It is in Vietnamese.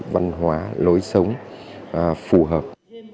văn hóa lối sống phù hợp